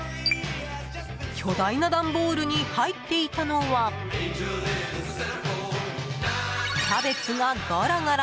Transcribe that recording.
巨大な段ボールに入っていたのはキャベツがごろごろ。